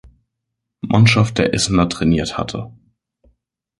Mannschaft der Essener trainiert hatte.